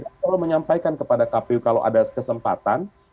saya perlu menyampaikan kepada kpu kalau ada kesempatan